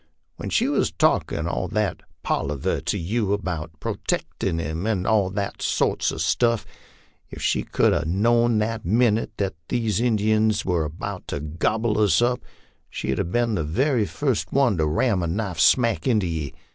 When she was talkin' all that palaver to you 'bout protectin' 'em and all that sort of stuff, if she could 'a know'd that minute that these outside Injuns was 'bout to gobble us up she'd 'a been the very fust one to ram a knife smack into ye.